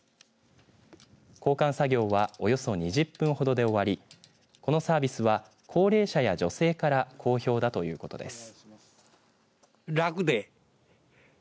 交換作業はおよそ２０分ほどで終わりこのサービスは高齢者や女性から好評だということです。